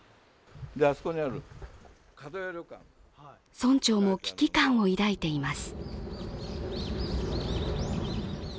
村長も危機感を抱いています。